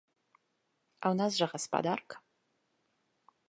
А ў нас жа гаспадарка.